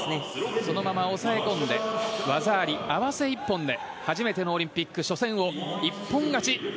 そのまま抑え込んで技あり合わせ一本で初めてのオリンピック初戦を一本勝ち。